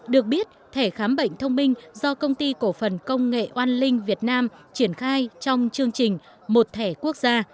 được biết thẻ khám bệnh thông minh do công ty cổ phần công nghệ oan linh việt nam triển khai trong chương trình một thẻ quốc gia